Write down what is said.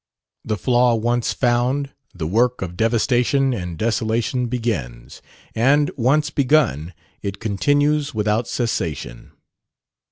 The flaw once found, the work of devastation and desolation begins; and, once begun, it continues without cessation.